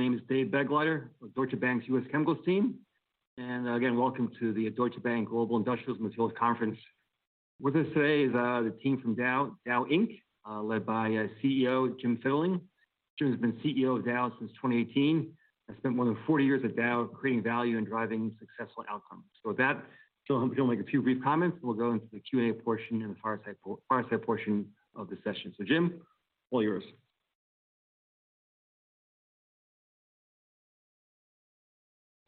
My name is Dave Begleiter of Deutsche Bank's U.S. Chemicals team. Again, welcome to the Deutsche Bank Global Industrial and Materials Conference. With us today is the team from Dow, led by CEO Jim Fitterling. Jim has been CEO of Dow since 2018 and has spent more than 40 years at Dow creating value and driving successful outcomes. With that, I'm going to make a few brief comments, and we'll go into the Q&A portion and the fireside portion of the session. Jim, all yours.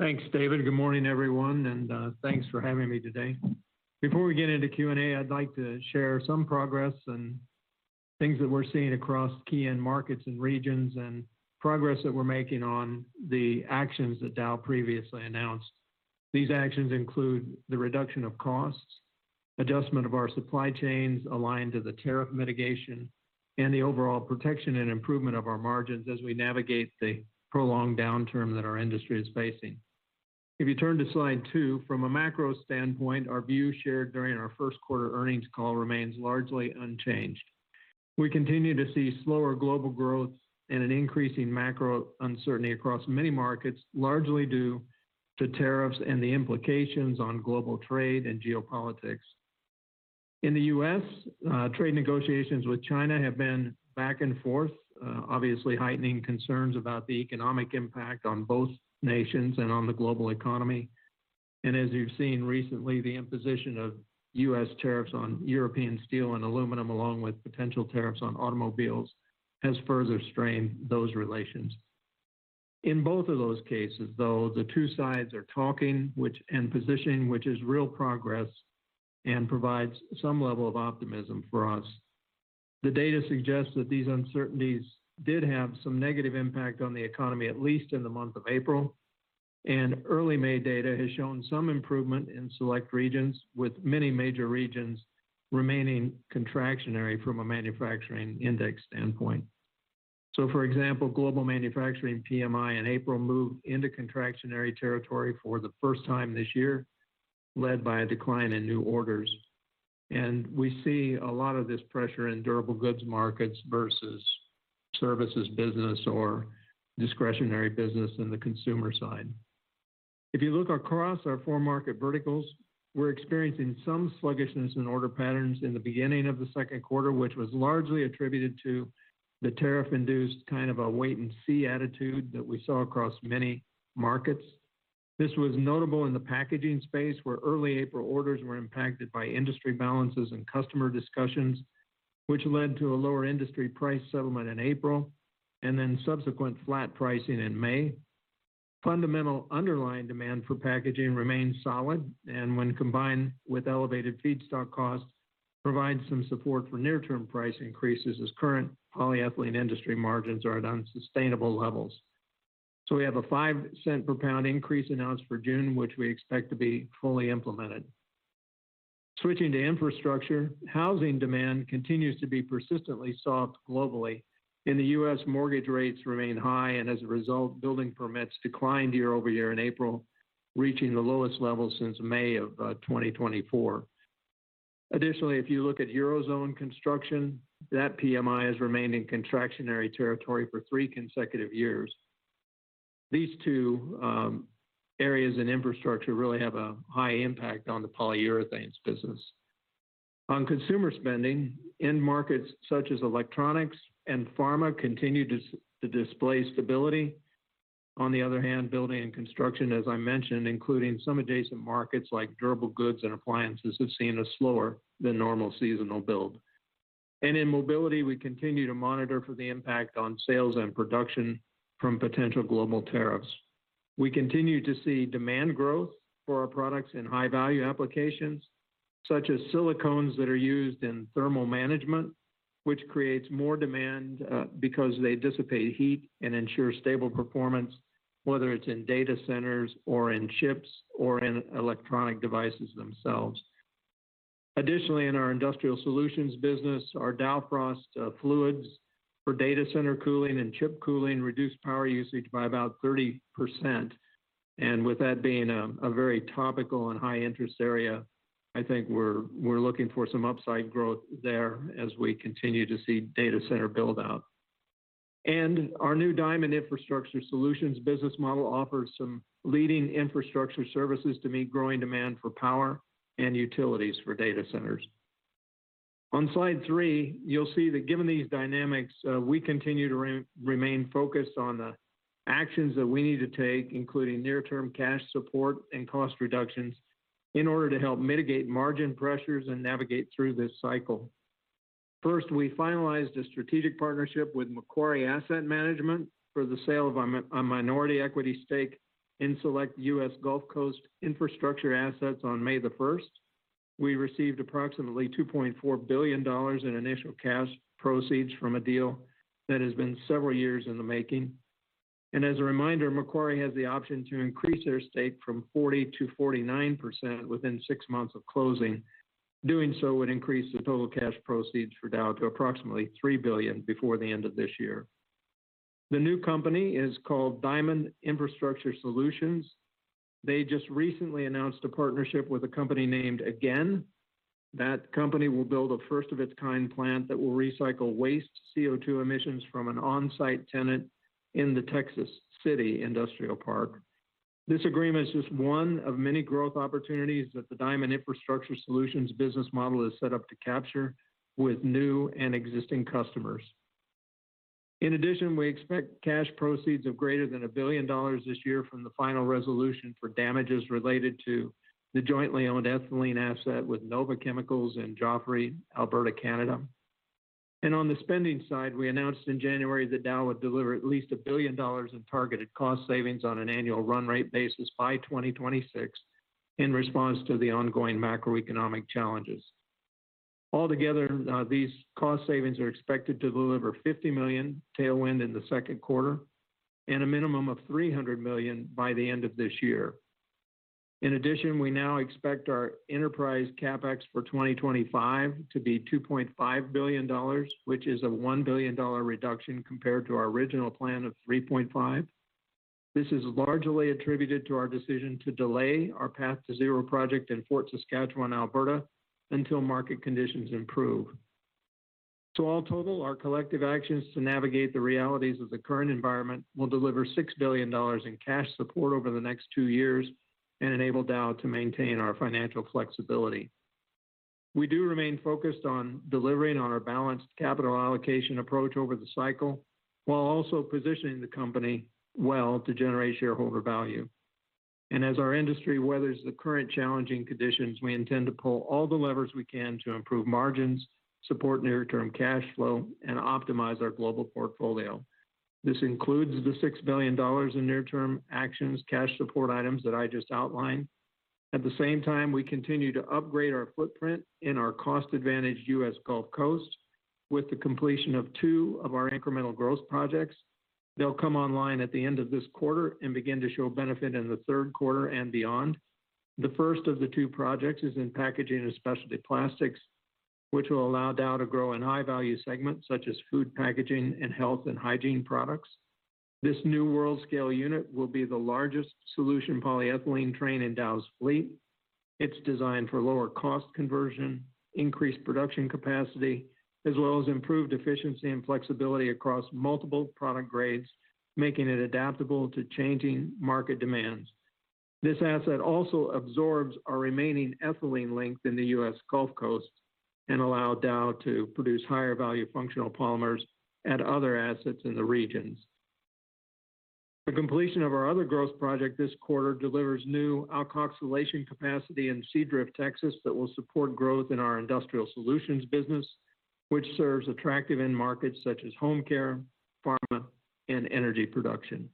Thanks, David. Good morning, everyone, and thanks for having me today. Before we get into Q&A, I'd like to share some progress and things that we're seeing across key end markets and regions, and progress that we're making on the actions that Dow previously announced. These actions include the reduction of costs, adjustment of our supply chains aligned to the tariff mitigation, and the overall protection and improvement of our margins as we navigate the prolonged downturn that our industry is facing. If you turn to slide two, from a macro standpoint, our view shared during our first quarter earnings call remains largely unchanged. We continue to see slower global growth and an increasing macro uncertainty across many markets, largely due to tariffs and the implications on global trade and geopolitics. In the U.S., trade negotiations with China have been back and forth, obviously heightening concerns about the economic impact on both nations and on the global economy. As you've seen recently, the imposition of U.S. tariffs on European steel and aluminum, along with potential tariffs on automobiles, has further strained those relations. In both of those cases, though, the two sides are talking and positioning, which is real progress and provides some level of optimism for us. The data suggests that these uncertainties did have some negative impact on the economy, at least in the month of April. Early May data has shown some improvement in select regions, with many major regions remaining contractionary from a manufacturing index standpoint. For example, global manufacturing PMI in April moved into contractionary territory for the first time this year, led by a decline in new orders. We see a lot of this pressure in durable goods markets versus services business or discretionary business on the consumer side. If you look across our four market verticals, we're experiencing some sluggishness in order patterns in the beginning of the second quarter, which was largely attributed to the tariff-induced kind of a wait-and-see attitude that we saw across many markets. This was notable in the packaging space, where early April orders were impacted by industry balances and customer discussions, which led to a lower industry price settlement in April and then subsequent flat pricing in May. Fundamental underlying demand for packaging remains solid, and when combined with elevated feedstock costs, provides some support for near-term price increases as current polyethylene industry margins are at unsustainable levels. We have a $0.05 per pound increase announced for June, which we expect to be fully implemented. Switching to infrastructure, housing demand continues to be persistently soft globally. In the U.S., mortgage rates remain high, and as a result, building permits declined year over year in April, reaching the lowest level since May of 2024. Additionally, if you look at Eurozone construction, that PMI has remained in contractionary territory for three consecutive years. These two areas in infrastructure really have a high impact on the polyurethane business. On consumer spending, end markets such as electronics and pharma continue to display stability. On the other hand, building and construction, as I mentioned, including some adjacent markets like durable goods and appliances, have seen a slower than normal seasonal build. In mobility, we continue to monitor for the impact on sales and production from potential global tariffs. We continue to see demand growth for our products in high-value applications such as silicones that are used in thermal management, which creates more demand because they dissipate heat and ensure stable performance, whether it's in data centers or in chips or in electronic devices themselves. Additionally, in our industrial solutions business, our Dow Frost fluids for data center cooling and chip cooling reduced power usage by about 30%. With that being a very topical and high-interest area, I think we're looking for some upside growth there as we continue to see data center build-out. Our new Diamond Infrastructure Solutions business model offers some leading infrastructure services to meet growing demand for power and utilities for data centers. On slide three, you'll see that given these dynamics, we continue to remain focused on the actions that we need to take, including near-term cash support and cost reductions in order to help mitigate margin pressures and navigate through this cycle. First, we finalized a strategic partnership with Macquarie Asset Management for the sale of a minority equity stake in select U.S. Gulf Coast infrastructure assets on May the 1st. We received approximately $2.4 billion in initial cash proceeds from a deal that has been several years in the making. As a reminder, Macquarie has the option to increase their stake from 40% to 49% within six months of closing. Doing so would increase the total cash proceeds for Dow to approximately $3 billion before the end of this year. The new company is called Diamond Infrastructure Solutions. They just recently announced a partnership with a company named Again. That company will build a first-of-its-kind plant that will recycle waste CO2 emissions from an on-site tenant in the Texas City Industrial Park. This agreement is just one of many growth opportunities that the Diamond Infrastructure Solutions business model is set up to capture with new and existing customers. In addition, we expect cash proceeds of greater than $1 billion this year from the final resolution for damages related to the jointly owned ethylene asset with Nova Chemicals in Joffre, Alberta, Canada. On the spending side, we announced in January that Dow would deliver at least $1 billion in targeted cost savings on an annual run rate basis by 2026 in response to the ongoing macroeconomic challenges. Altogether, these cost savings are expected to deliver a $50 million tailwind in the second quarter and a minimum of $300 million by the end of this year. In addition, we now expect our enterprise CapEx for 2025 to be $2.5 billion, which is a $1 billion reduction compared to our original plan of $3.5 billion. This is largely attributed to our decision to delay our Path to Zero project in Fort Saskatchewan, Alberta, until market conditions improve. All total, our collective actions to navigate the realities of the current environment will deliver $6 billion in cash support over the next two years and enable Dow to maintain our financial flexibility. We do remain focused on delivering on our balanced capital allocation approach over the cycle, while also positioning the company well to generate shareholder value. As our industry weathers the current challenging conditions, we intend to pull all the levers we can to improve margins, support near-term cash flow, and optimize our global portfolio. This includes the $6 billion in near-term actions, cash support items that I just outlined. At the same time, we continue to upgrade our footprint in our cost-advantaged U.S. Gulf Coast with the completion of two of our incremental growth projects. They'll come online at the end of this quarter and begin to show benefit in the third quarter and beyond. The first of the two projects is in packaging and specialty plastics, which will allow Dow to grow in high-value segments such as food packaging and health and hygiene products. This new world-scale unit will be the largest solution polyethylene train in Dow's fleet. It's designed for lower cost conversion, increased production capacity, as well as improved efficiency and flexibility across multiple product grades, making it adaptable to changing market demands. This asset also absorbs our remaining ethylene length in the U.S. Gulf Coast and allows Dow to produce higher-value functional polymers and other assets in the regions. The completion of our other growth project this quarter delivers new alkoxylation capacity in Seadrift, Texas, that will support growth in our industrial solutions business, which serves attractive end markets such as home care, pharma, and energy production.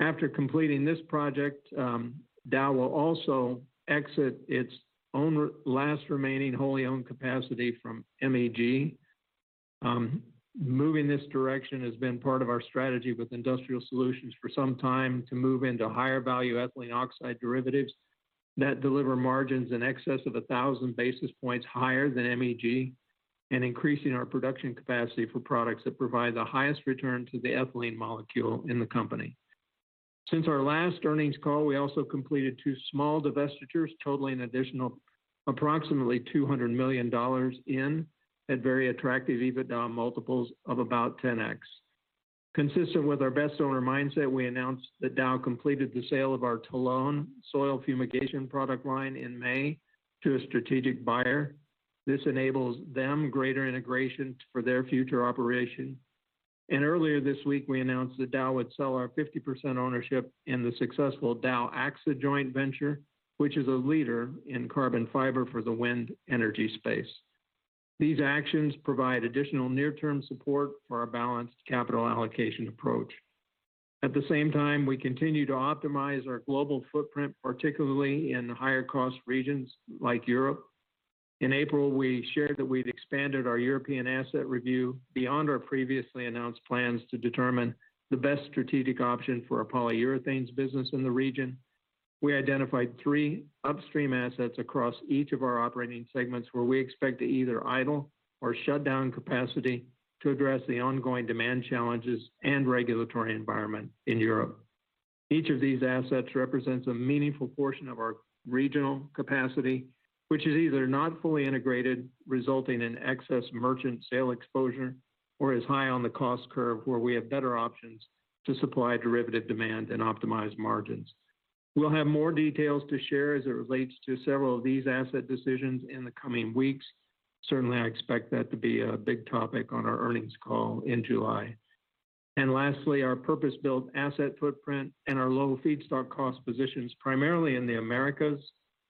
After completing this project, Dow will also exit its own last remaining wholly owned capacity from MEG. Moving this direction has been part of our strategy with Industrial Solutions for some time to move into higher-value ethylene oxide derivatives that deliver margins in excess of 1,000 basis points higher than MEG and increasing our production capacity for products that provide the highest return to the ethylene molecule in the company. Since our last earnings call, we also completed two small divestitures totaling an additional approximately $200 million at very attractive EBITDA multiples of about 10x. Consistent with our best owner mindset, we announced that Dow completed the sale of our Talone soil fumigation product line in May to a strategic buyer. This enables them greater integration for their future operation. Earlier this week, we announced that Dow would sell our 50% ownership in the successful Dow-AXA joint venture, which is a leader in carbon fiber for the wind energy space. These actions provide additional near-term support for our balanced capital allocation approach. At the same time, we continue to optimize our global footprint, particularly in higher-cost regions like Europe. In April, we shared that we've expanded our European asset review beyond our previously announced plans to determine the best strategic option for our polyurethane business in the region. We identified three upstream assets across each of our operating segments where we expect to either idle or shut down capacity to address the ongoing demand challenges and regulatory environment in Europe. Each of these assets represents a meaningful portion of our regional capacity, which is either not fully integrated, resulting in excess merchant sale exposure, or is high on the cost curve where we have better options to supply derivative demand and optimize margins. We will have more details to share as it relates to several of these asset decisions in the coming weeks. Certainly, I expect that to be a big topic on our earnings call in July. Lastly, our purpose-built asset footprint and our low feedstock cost positions primarily in the Americas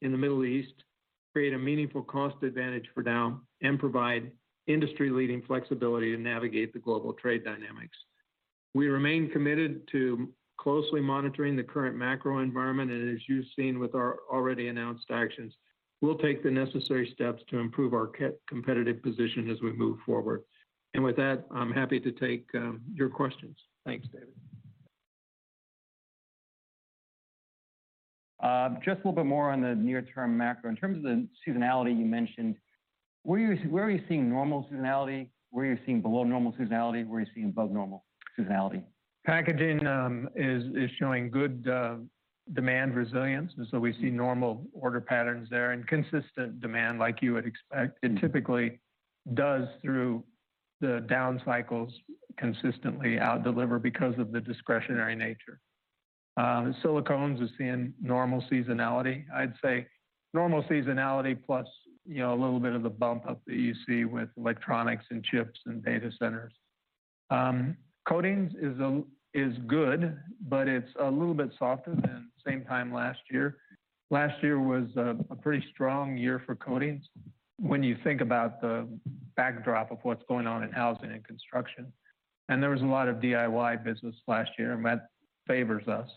and the Middle East create a meaningful cost advantage for Dow and provide industry-leading flexibility to navigate the global trade dynamics. We remain committed to closely monitoring the current macro environment, and as you have seen with our already announced actions, we will take the necessary steps to improve our competitive position as we move forward. With that, I am happy to take your questions. Thanks, David. Just a little bit more on the near-term macro. In terms of the seasonality you mentioned, where are you seeing normal seasonality? Where are you seeing below normal seasonality? Where are you seeing above normal seasonality? Packaging is showing good demand resilience, and we see normal order patterns there and consistent demand, like you would expect. It typically does, through the down cycles, consistently outdeliver because of the discretionary nature. Silicones are seeing normal seasonality, I would say. Normal seasonality plus a little bit of the bump up that you see with electronics and chips and data centers. Coatings is good, but it's a little bit softer than same time last year. Last year was a pretty strong year for coatings when you think about the backdrop of what's going on in housing and construction. There was a lot of DIY business last year, and that favors us.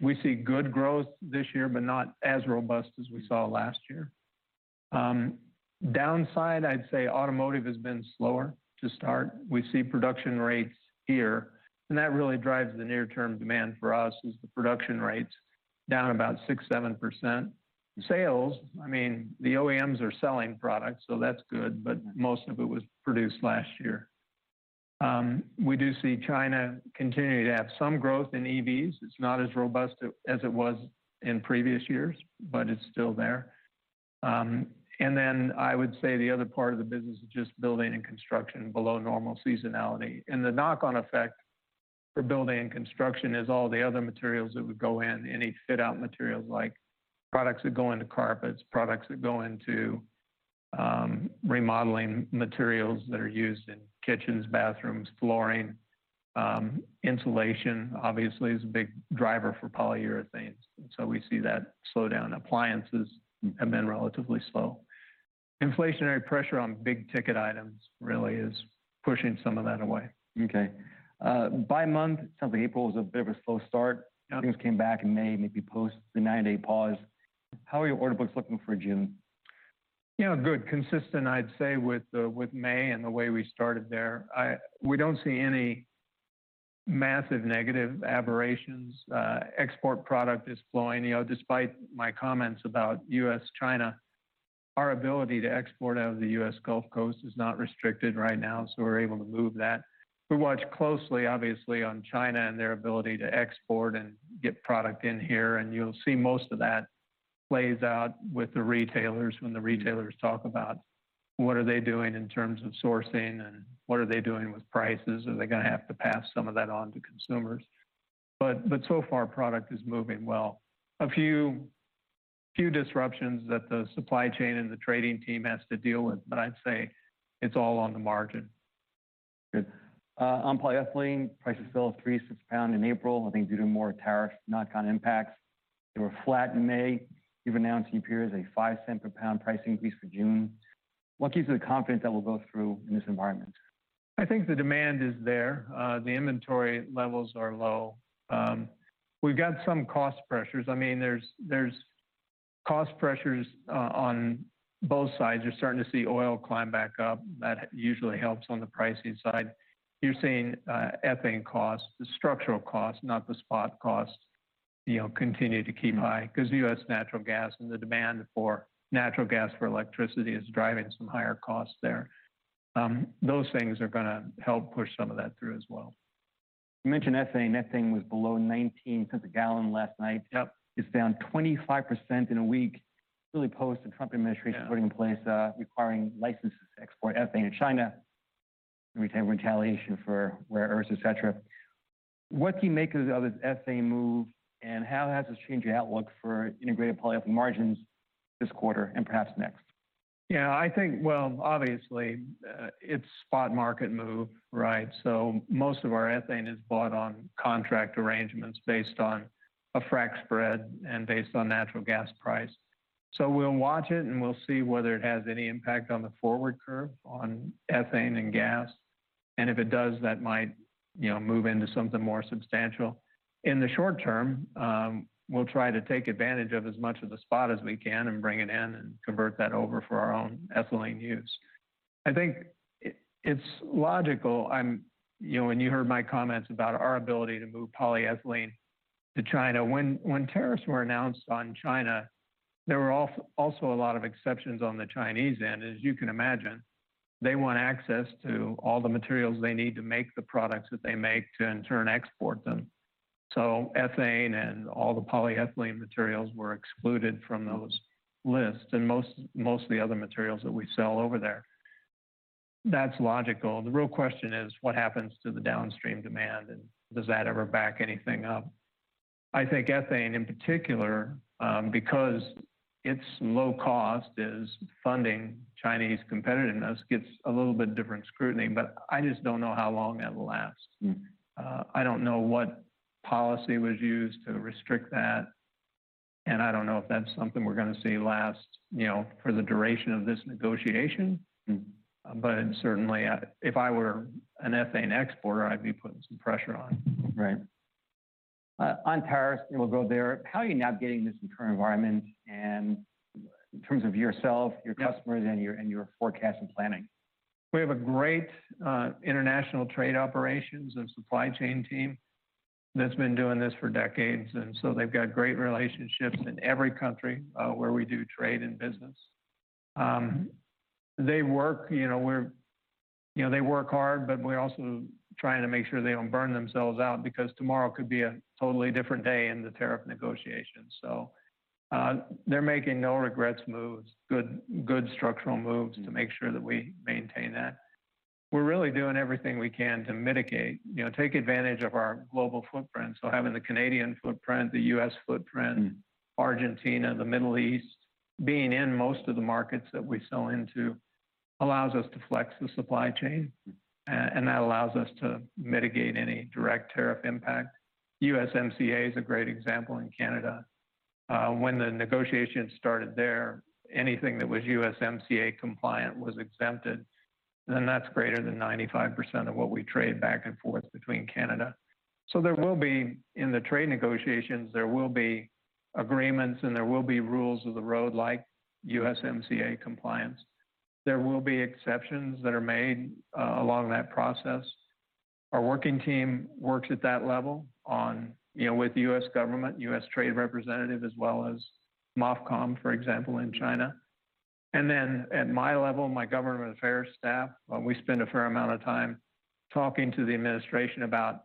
We see good growth this year, but not as robust as we saw last year. Downside, I'd say automotive has been slower to start. We see production rates here, and that really drives the near-term demand for us is the production rates down about 6%-7%. Sales, I mean, the OEMs are selling products, so that's good, but most of it was produced last year. We do see China continue to have some growth in EVs. It's not as robust as it was in previous years, but it's still there. I would say the other part of the business is just building and construction below normal seasonality. The knock-on effect for building and construction is all the other materials that would go in, any fit-out materials like products that go into carpets, products that go into remodeling materials that are used in kitchens, bathrooms, flooring. Insulation, obviously, is a big driver for polyurethanes. We see that slow down. Appliances have been relatively slow. Inflationary pressure on big ticket items really is pushing some of that away. Okay. By month, it sounds like April was a bit of a slow start. Things came back in May, maybe post the nine-day pause. How are your order books looking for June? Yeah, good. Consistent, I'd say, with May and the way we started there. We do not see any massive negative aberrations. Export product is flowing. Despite my comments about U.S.-China, our ability to export out of the U.S. Gulf Coast is not restricted right now, so we're able to move that. We watch closely, obviously, on China and their ability to export and get product in here. You'll see most of that plays out with the retailers when the retailers talk about what are they doing in terms of sourcing and what are they doing with prices. Are they going to have to pass some of that on to consumers? Product is moving well so far. A few disruptions that the supply chain and the trading team has to deal with, but I'd say it's all on the margin. Good. On polyethylene, prices still have increased $0.01 per pound in April, I think due to more tariff knock-on impacts. They were flat in May. You've announced in your period a $0.05 per pound price increase for June. What gives you the confidence that will go through in this environment? I think the demand is there. The inventory levels are low. We've got some cost pressures. I mean, there's cost pressures on both sides. You're starting to see oil climb back up. That usually helps on the pricing side. You're seeing ethane costs, the structural costs, not the spot costs, continue to keep high because U.S. natural gas and the demand for natural gas for electricity is driving some higher costs there. Those things are going to help push some of that through as well. You mentioned ethane. Ethane was below $0.19 a gallon last night. It's down 25% in a week, really post the Trump administration putting in place requiring licenses to export ethane in China, retained retaliation for rare earths, etc. What do you make of this ethane move, and how has this changed your outlook for integrated polyethylene margins this quarter and perhaps next? Yeah, I think, obviously, it's a spot market move, right? Most of our ethane is bought on contract arrangements based on a frac spread and based on natural gas price. We'll watch it, and we'll see whether it has any impact on the forward curve on ethane and gas. If it does, that might move into something more substantial. In the short term, we'll try to take advantage of as much of the spot as we can and bring it in and convert that over for our own ethylene use. I think it's logical. When you heard my comments about our ability to move polyethylene to China, when tariffs were announced on China, there were also a lot of exceptions on the Chinese end. As you can imagine, they want access to all the materials they need to make the products that they make to, in turn, export them. Ethane and all the polyethylene materials were excluded from those lists and most of the other materials that we sell over there. That's logical. The real question is what happens to the downstream demand, and does that ever back anything up? I think ethane, in particular, because its low cost is funding Chinese competitiveness, gets a little bit different scrutiny, but I just don't know how long that will last. I don't know what policy was used to restrict that, and I don't know if that's something we're going to see last for the duration of this negotiation. Certainly, if I were an ethane exporter, I'd be putting some pressure on. Right. On tariffs, we'll go there. How are you navigating this current environment in terms of yourself, your customers, and your forecast and planning? We have a great international trade operations and supply chain team that's been doing this for decades, and so they've got great relationships in every country where we do trade and business. They work hard. We're also trying to make sure they don't burn themselves out because tomorrow could be a totally different day in the tariff negotiations. They're making no regrets moves, good structural moves to make sure that we maintain that. We're really doing everything we can to mitigate, take advantage of our global footprint. Having the Canadian footprint, the U.S. footprint, Argentina, the Middle East, being in most of the markets that we sell into allows us to flex the supply chain, and that allows us to mitigate any direct tariff impact. USMCA is a great example in Canada. When the negotiations started there, anything that was USMCA compliant was exempted. That's greater than 95% of what we trade back and forth between Canada. There will be, in the trade negotiations, there will be agreements, and there will be rules of the road like USMCA compliance. There will be exceptions that are made along that process. Our working team works at that level with the U.S. government, U.S. trade representative, as well as MOFCOM, for example, in China. At my level, my government affairs staff, we spend a fair amount of time talking to the administration about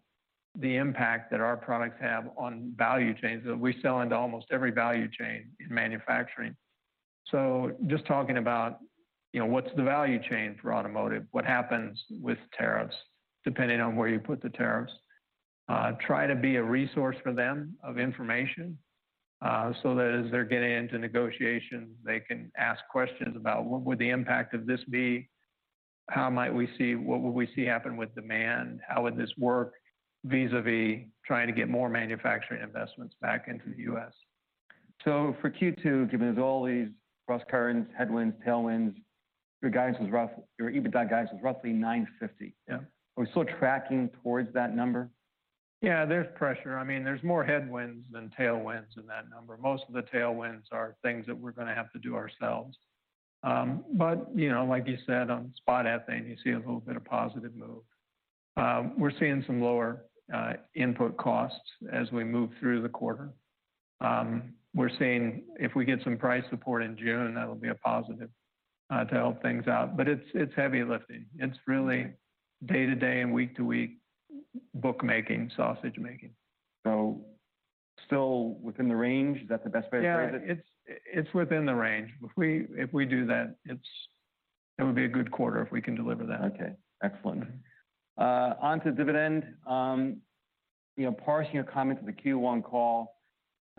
the impact that our products have on value chains. We sell into almost every value chain in manufacturing. Just talking about what's the value chain for automotive, what happens with tariffs depending on where you put the tariffs. Try to be a resource for them of information so that as they're getting into negotiations, they can ask questions about what would the impact of this be, how might we see, what would we see happen with demand, how would this work vis-à-vis trying to get more manufacturing investments back into the U.S. For Q2, given there's all these cross currents, headwinds, tailwinds, your guidance was rough, your EBITDA guidance was roughly $950. Are we still tracking towards that number? Yeah, there's pressure. I mean, there's more headwinds than tailwinds in that number. Most of the tailwinds are things that we're going to have to do ourselves. Like you said, on spot ethane, you see a little bit of positive move. We're seeing some lower input costs as we move through the quarter. We're seeing if we get some price support in June, that'll be a positive to help things out. It's heavy lifting. It's really day-to-day and week-to-week bookmaking, sausage making. Still within the range? Is that the best way to phrase it? Yeah, it's within the range. If we do that, it would be a good quarter if we can deliver that. Okay. Excellent. Onto dividend. Parsing your comments of the Q1 call,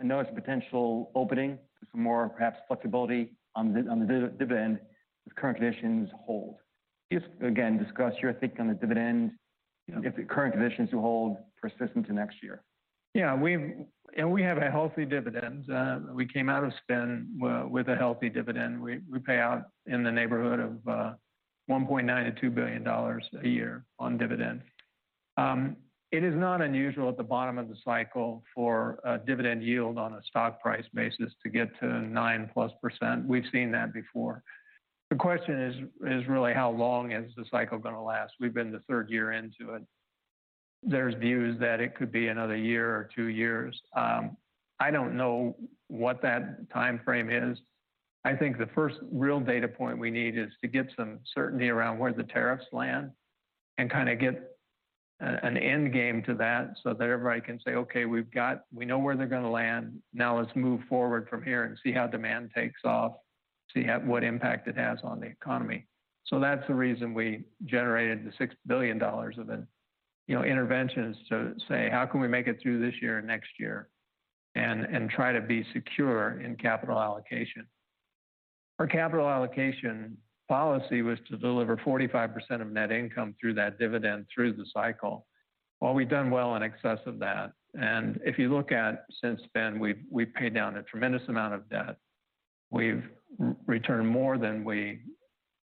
I know it's a potential opening to some more perhaps flexibility on the dividend if current conditions hold. Please again discuss your thinking on the dividend if current conditions do hold persistent to next year. Yeah, and we have a healthy dividend. We came out of spin with a healthy dividend. We pay out in the neighborhood of $1.9 billion-$2 billion a year on dividends. It is not unusual at the bottom of the cycle for a dividend yield on a stock price basis to get to 9% plus. We've seen that before. The question is really how long is the cycle going to last? We've been the third year into it. There's views that it could be another year or two years. I don't know what that timeframe is. I think the first real data point we need is to get some certainty around where the tariffs land and kind of get an end game to that so that everybody can say, "Okay, we know where they're going to land. Now let's move forward from here and see how demand takes off, see what impact it has on the economy." That is the reason we generated the $6 billion of interventions to say, "How can we make it through this year and next year and try to be secure in capital allocation?" Our capital allocation policy was to deliver 45% of net income through that dividend through the cycle. We have done well in excess of that. If you look at since then, we have paid down a tremendous amount of debt. We have returned more than we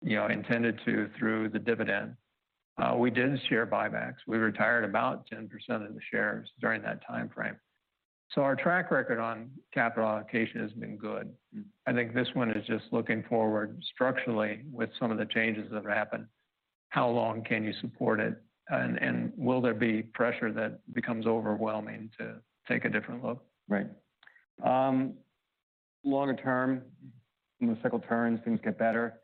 intended to through the dividend. We did share buybacks. We retired about 10% of the shares during that timeframe. Our track record on capital allocation has been good. I think this one is just looking forward structurally with some of the changes that have happened. How long can you support it? Will there be pressure that becomes overwhelming to take a different look? Right. Longer term, when the cycle turns, things get better.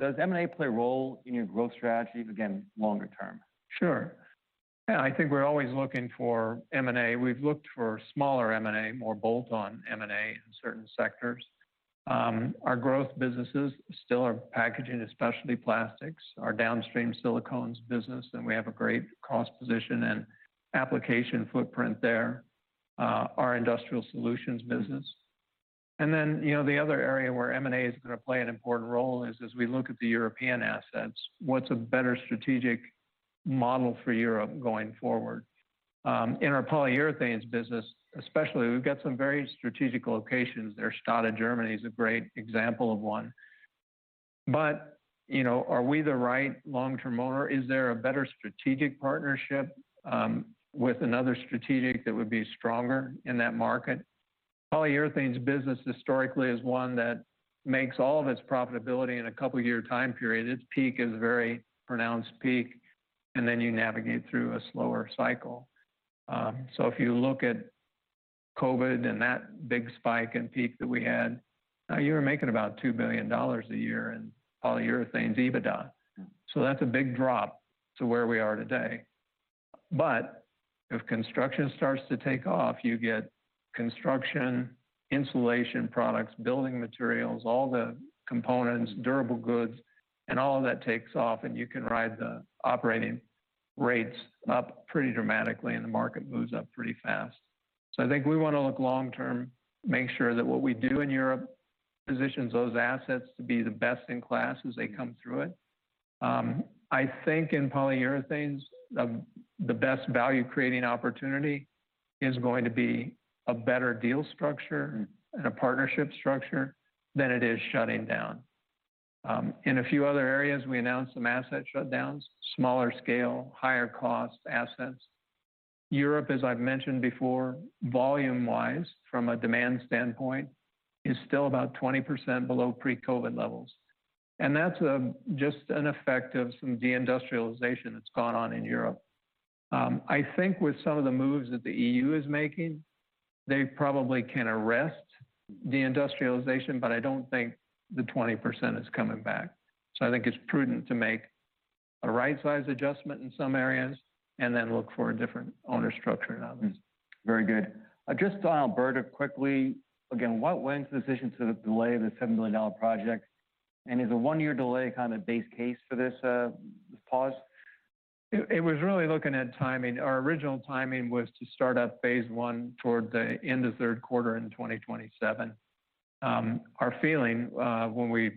Does M&A play a role in your growth strategy, again, longer term? Sure. Yeah, I think we're always looking for M&A. We've looked for smaller M&A, more bolt-on M&A in certain sectors. Our growth businesses still are packaging and specialty plastics, our downstream silicones business, and we have a great cost position and application footprint there, our industrial solutions business. The other area where M&A is going to play an important role is as we look at the European assets, what's a better strategic model for Europe going forward? In our polyurethanes business, especially, we've got some very strategic locations. Stade, Germany is a great example of one. Are we the right long-term owner? Is there a better strategic partnership with another strategic that would be stronger in that market? Polyurethanes business historically is one that makes all of its profitability in a couple-year time period. Its peak is a very pronounced peak, and then you navigate through a slower cycle. If you look at COVID and that big spike and peak that we had, you were making about $2 billion a year in polyurethanes EBITDA. That's a big drop to where we are today. If construction starts to take off, you get construction, insulation products, building materials, all the components, durable goods, and all of that takes off, and you can ride the operating rates up pretty dramatically, and the market moves up pretty fast. I think we want to look long-term, make sure that what we do in Europe positions those assets to be the best in class as they come through it. I think in polyurethanes, the best value-creating opportunity is going to be a better deal structure and a partnership structure than it is shutting down. In a few other areas, we announced some asset shutdowns, smaller scale, higher cost assets. Europe, as I have mentioned before, volume-wise, from a demand standpoint, is still about 20% below pre-COVID levels. That is just an effect of some deindustrialization that has gone on in Europe. I think with some of the moves that the EU is making, they probably can arrest deindustrialization, but I do not think the 20% is coming back. I think it is prudent to make a right-sized adjustment in some areas and then look for a different owner structure in others. Very good. Just on Alberta quickly. Again, what went into the decision to delay the $7 billion project? Is a one-year delay kind of base case for this pause? It was really looking at timing. Our original timing was to start up phase one toward the end of third quarter in 2027. Our feeling when we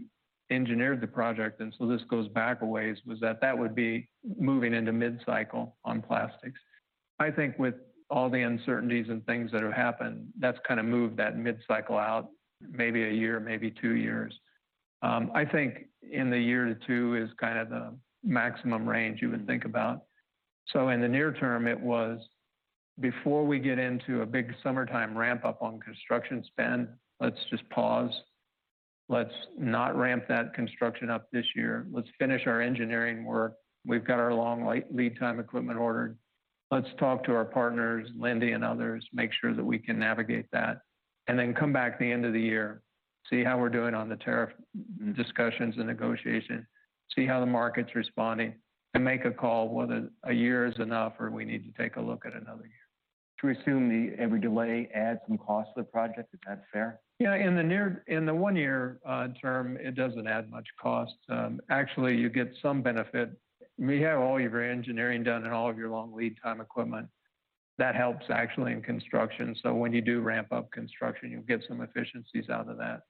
engineered the project, and this goes back a ways, was that that would be moving into mid-cycle on plastics. I think with all the uncertainties and things that have happened, that has kind of moved that mid-cycle out maybe a year, maybe two years. I think in the year to two is kind of the maximum range you would think about. In the near term, it was before we get into a big summertime ramp-up on construction spend, let's just pause. Let's not ramp that construction up this year. Let's finish our engineering work. We've got our long lead time equipment ordered. Let's talk to our partners, Linde and others, make sure that we can navigate that, and then come back at the end of the year, see how we're doing on the tariff discussions and negotiation, see how the market's responding, and make a call whether a year is enough or we need to take a look at another year. To assume every delay adds some cost to the project, is that fair? Yeah. In the one-year term, it doesn't add much cost. Actually, you get some benefit. We have all your engineering done and all of your long lead time equipment. That helps actually in construction. When you do ramp up construction, you'll get some efficiencies out of that.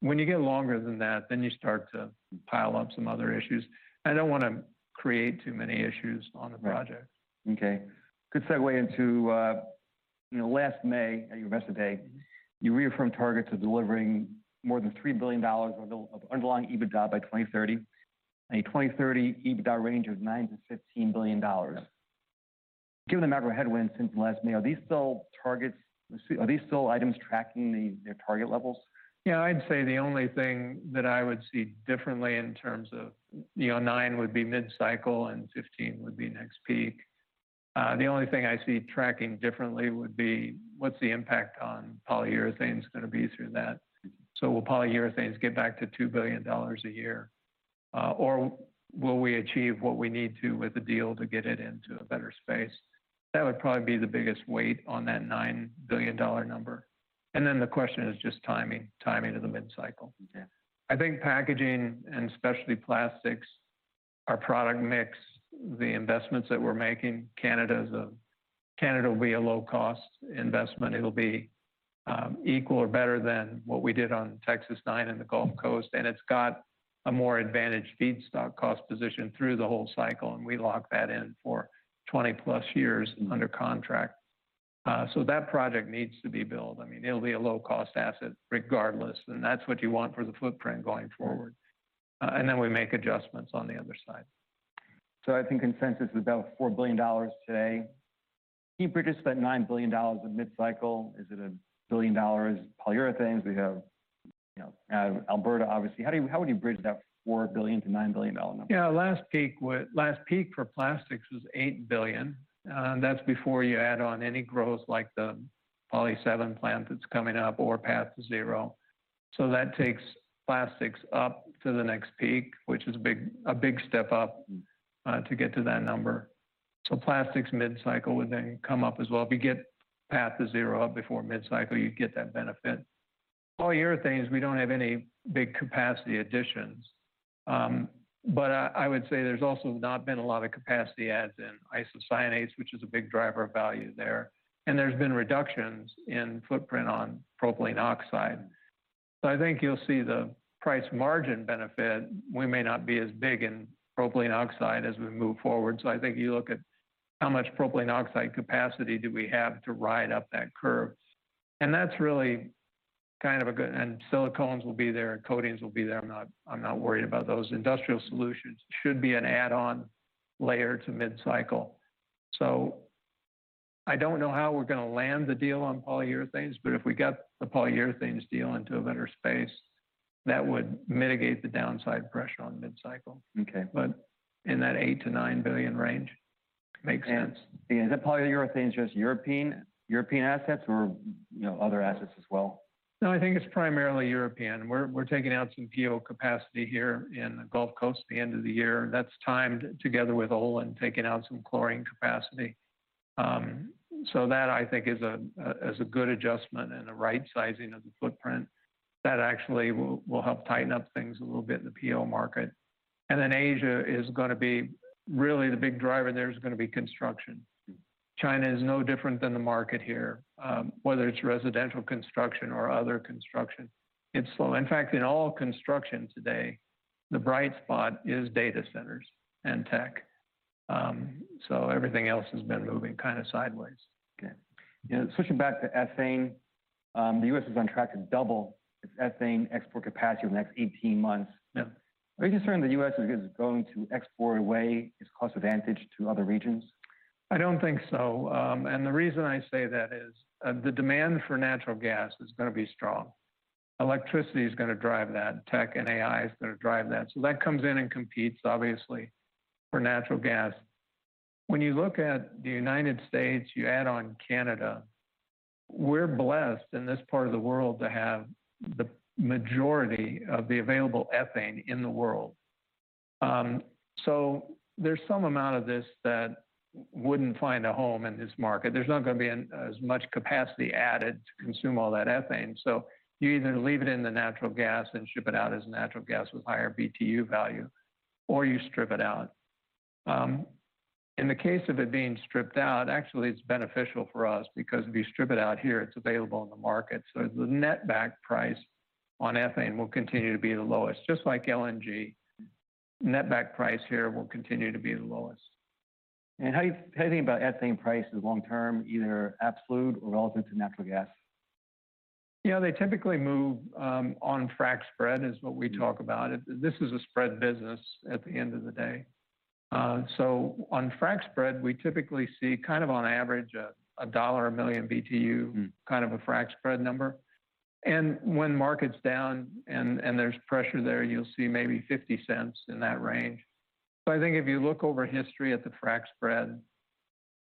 When you get longer than that, then you start to pile up some other issues. I don't want to create too many issues on the project. Okay. Good segue into last May at your investment day, you reaffirmed targets of delivering more than $3 billion of underlying EBITDA by 2030. A 2030 EBITDA range of $9 billion-$15 billion. Given the macro headwinds since last May, are these still targets? Are these still items tracking their target levels? Yeah, I'd say the only thing that I would see differently in terms of $9 billion would be mid-cycle and $15 billion would be next peak. The only thing I see tracking differently would be what's the impact on polyurethanes going to be through that? Will polyurethanes get back to $2 billion a year? Or will we achieve what we need to with a deal to get it into a better space? That would probably be the biggest weight on that $9 billion number. The question is just timing, timing of the mid-cycle. I think packaging and specialty plastics, our product mix, the investments that we're making, Canada will be a low-cost investment. It will be equal or better than what we did on Texas 9 and the Gulf Coast. It has a more advantaged feedstock cost position through the whole cycle, and we lock that in for 20-plus years under contract. That project needs to be built. I mean, it'll be a low-cost asset regardless, and that's what you want for the footprint going forward. Then we make adjustments on the other side. I think consensus is about $4 billion today. Can you predict that $9 billion of mid-cycle? Is it a billion dollars polyurethanes? We have Alberta, obviously. How would you bridge that $4 billion to $9 billion number? Last peak for plastics was $8 billion. That's before you add on any growth like the Poly Seven plant that's coming up or Path to Zero. That takes plastics up to the next peak, which is a big step up to get to that number. Plastics mid-cycle would then come up as well. If you get Path to Zero up before mid-cycle, you'd get that benefit. Polyurethanes, we don't have any big capacity additions. I would say there's also not been a lot of capacity adds in isocyanates, which is a big driver of value there. There's been reductions in footprint on propylene oxide. I think you'll see the price margin benefit. We may not be as big in propylene oxide as we move forward. I think you look at how much propylene oxide capacity do we have to ride up that curve. That's really kind of a good, and silicones will be there, and coatings will be there. I'm not worried about those. Industrial solutions should be an add-on layer to mid-cycle. I don't know how we're going to land the deal on polyurethanes, but if we got the polyurethanes deal into a better space, that would mitigate the downside pressure on mid-cycle. In that $8 billion-$9 billion range, makes sense. Is that polyurethane just European assets or other assets as well? No, I think it's primarily European. We're taking out some geocapacity here in the Gulf Coast at the end of the year. That's timed together with Olin taking out some chlorine capacity. That, I think, is a good adjustment and a right-sizing of the footprint. That actually will help tighten up things a little bit in the PO market. Asia is going to be really the big driver there; it's going to be construction. China is no different than the market here. Whether it's residential construction or other construction, it's slow. In fact, in all construction today, the bright spot is data centers and tech. Everything else has been moving kind of sideways. Okay. Switching back to ethane, the U.S. is on track to double its ethane export capacity over the next 18 months. Are you concerned the U.S. is going to export away its cost advantage to other regions? I don't think so. The reason I say that is the demand for natural gas is going to be strong. Electricity is going to drive that. Tech and AI is going to drive that. That comes in and competes, obviously, for natural gas. When you look at the United States, you add on Canada, we're blessed in this part of the world to have the majority of the available ethane in the world. There is some amount of this that would not find a home in this market. There is not going to be as much capacity added to consume all that ethane. You either leave it in the natural gas and ship it out as natural gas with higher BTU value, or you strip it out. In the case of it being stripped out, actually, it's beneficial for us because if you strip it out here, it's available in the market. The net back price on ethane will continue to be the lowest, just like LNG. Net back price here will continue to be the lowest. How do you think about ethane prices long term, either absolute or relative to natural gas? Yeah, they typically move on frac spread is what we talk about. This is a spread business at the end of the day. On frac spread, we typically see kind of on average $1 a million BTU, kind of a frac spread number. When market's down and there's pressure there, you'll see maybe $0.50 cents in that range. I think if you look over history at the frac spread,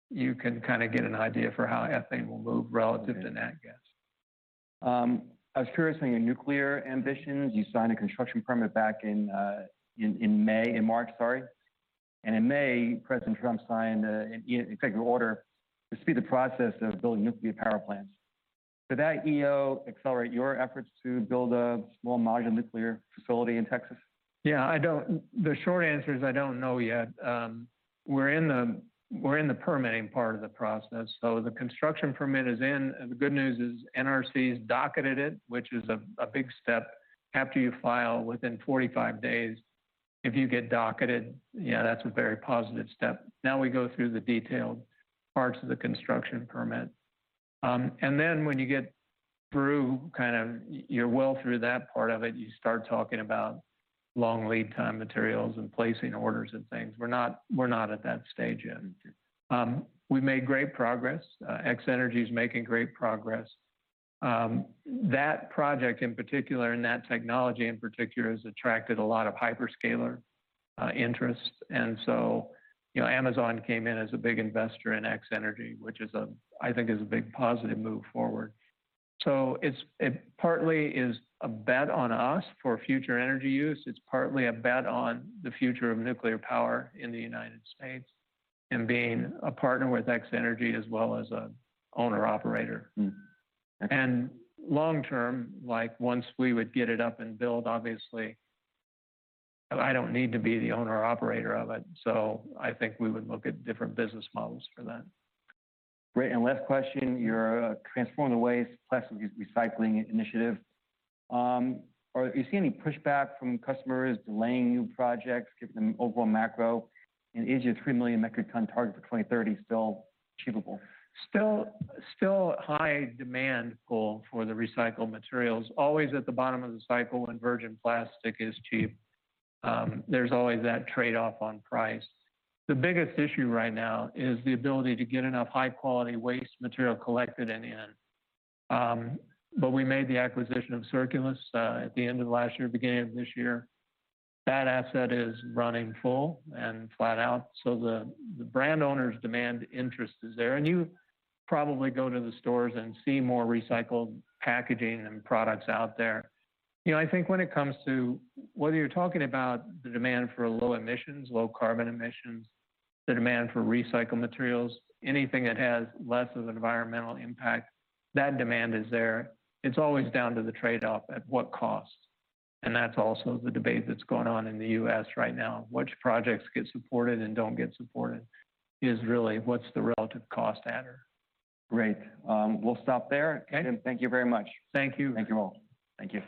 you can kind of get an idea for how ethane will move relative to natural gas. I was curious on your nuclear ambitions. You signed a construction permit back in May, in March, sorry. And in May, President Trump signed an executive order to speed the process of building nuclear power plants. Could that EO accelerate your efforts to build a small modular nuclear facility in Texas? Yeah, the short answer is I don't know yet. We're in the permitting part of the process. The construction permit is in. The good news is NRC has docketed it, which is a big step. After you file within 45 days, if you get docketed, yeah, that's a very positive step. Now we go through the detailed parts of the construction permit. When you get through kind of your, well, through that part of it, you start talking about long lead time materials and placing orders and things. We're not at that stage yet. We've made great progress. X-energy is making great progress. That project in particular, and that technology in particular, has attracted a lot of hyperscaler interest. Amazon came in as a big investor in X-energy, which I think is a big positive move forward. It partly is a bet on us for future energy use. It is partly a bet on the future of nuclear power in the U.S. and being a partner with X-energy as well as an owner-operator. Long term, like once we would get it up and build, obviously, I do not need to be the owner-operator of it. I think we would look at different business models for that. Great. Last question, your transforming the waste plastic recycling initiative. Are you seeing any pushback from customers delaying new projects, giving them overall macro? Is your 3 million metric ton target for 2030 still achievable? Still high demand pull for the recycled materials. Always at the bottom of the cycle when virgin plastic is cheap. There is always that trade-off on price. The biggest issue right now is the ability to get enough high-quality waste material collected and in. We made the acquisition of Circulus at the end of last year, beginning of this year. That asset is running full and flat out. The brand owner's demand interest is there. You probably go to the stores and see more recycled packaging and products out there. I think when it comes to whether you're talking about the demand for low emissions, low carbon emissions, the demand for recycled materials, anything that has less of an environmental impact, that demand is there. It's always down to the trade-off at what cost. That is also the debate that's going on in the U.S. right now. Which projects get supported and don't get supported is really what's the relative cost adder. Great. We'll stop there. Thank you very much. Thank you. Thank you all. Thank you.